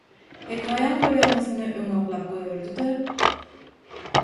hekaýaň golýazmasyny öňe oklap goýberdi-de